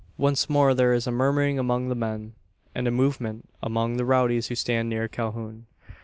Once more there is a murmuring among the men, and a movement among the rowdies who stand near Calhoun.